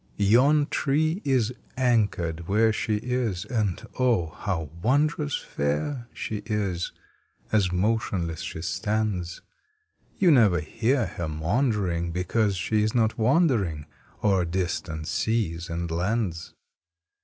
Yon Tree is anchored where she is And, oh! how wondrous fair she is As motionless she stands! You never hear her maundering Because she is not wandering O er distant seas and lands.